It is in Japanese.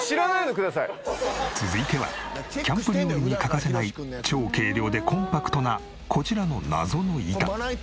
続いてはキャンプ料理に欠かせない超軽量でコンパクトなこちらの謎の板。